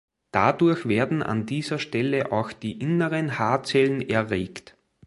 Dadurch werden an dieser Stelle auch die inneren Haarzellen erregt.